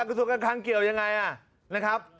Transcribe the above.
กระทรวงการคลังเกี่ยวยังไงนะครับ